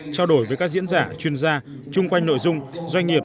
trao đổi với các diễn giả chuyên gia chung quanh nội dung doanh nghiệp